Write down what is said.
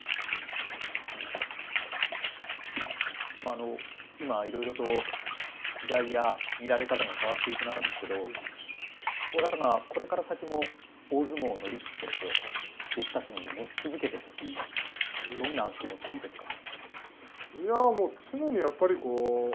あの今いろいろと時代や見られ方が変わっていく中ですけど親方がこれから先も大相撲の力士として弟子たちに持ち続けてほしいどんな気持ちですか。